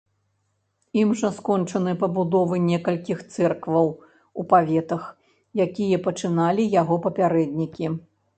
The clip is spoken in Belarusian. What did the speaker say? Ім жа скончаны пабудовы некалькіх цэркваў у паветах, якія пачыналі яго папярэднікі.